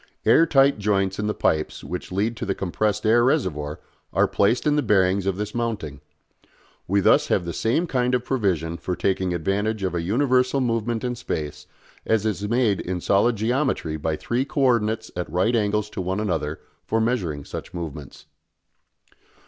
Air tight joints in the pipes which lead to the compressed air reservoir are placed in the bearings of this mounting. We thus have the same kind of provision for taking advantage of a universal movement in space as is made in solid geometry by three co ordinates at right angles to one another for measuring such movements.